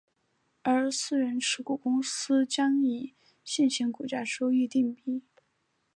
而私人持股公司将以现行股价收益比定价。